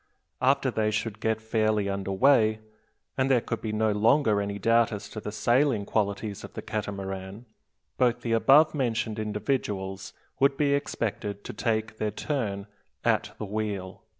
After they should get fairly under way, and there could be no longer any doubt as to the sailing qualities of the Catamaran, both the above mentioned individuals would be expected to take their turn "at the wheel."